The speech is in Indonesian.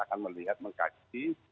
akan melihat mengkaji